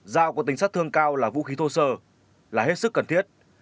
dao có tính sát thương cao là vũ khí thô sơ là hết sức cần thiết